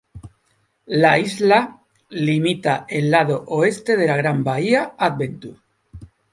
La isla limita el lado oeste de la gran bahía Adventure.